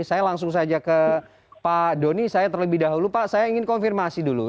saya langsung saja ke pak doni saya terlebih dahulu pak saya ingin konfirmasi dulu